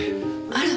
あら！